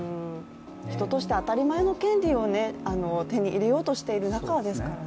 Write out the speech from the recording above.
人として当たり前の権利を手に入れようとしている中ですからね。